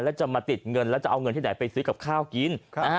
แล้วจะมาติดเงินแล้วจะเอาเงินที่ไหนไปซื้อกับข้าวกิน